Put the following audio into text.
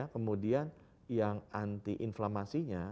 kemudian yang anti inflammasinya